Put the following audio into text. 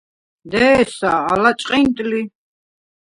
დე̄სა, ალა ჭყინტ ლი.